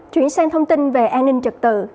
chuyển sang thông tin về an ninh trật tự